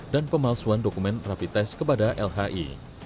pemalsuan dokumen rapi tes kepada lhi